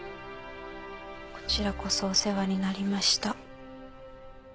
こちらこそお世話になりました。